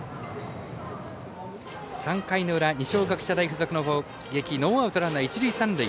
３回の裏、二松学舎大付属の攻撃ノーアウト、一塁三塁。